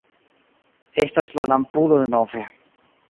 Estas la lampulo denove...